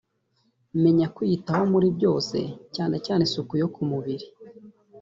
Menya kwiyitaho muri byose cyane cyane ku isuku yo ku mubiri